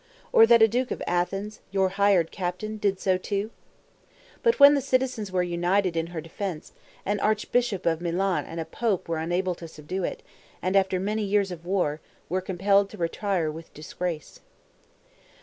or that a duke of Athens, your hired captain did so too? But when the citizens were united in her defense, an archbishop of Milan and a pope were unable to subdue it, and, after many years of war, were compelled to retire with disgrace.